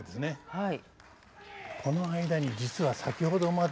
はい。